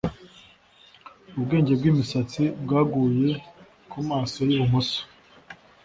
Ubwenge bwimisatsi bwaguye kumaso yibumoso.